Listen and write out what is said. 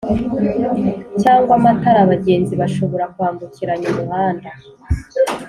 Cyangwa amatara abagenzi bashobora kwambukiranya umuhanda